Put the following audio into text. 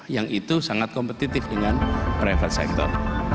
yang itu sangat kompetitif dengan private sector